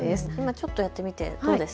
ちょっとやってみてどうです？